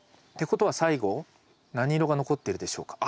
ことは最後何色が残ってるでしょうか？